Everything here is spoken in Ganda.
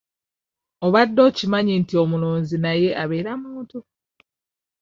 Obadde okimanyi nti omulunzi naye abeera muntu?